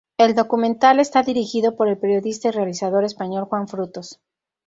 El documental está dirigido por el periodista y realizador español Juan Frutos.